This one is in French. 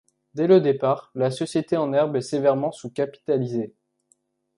Dès le départ, la société en herbe est sévèrement sous-capitalisée.